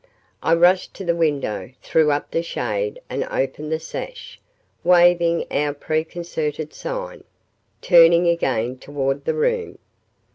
I rushed to the window, threw up the shade and opened the sash, waving our preconcerted sign, turning again toward the room.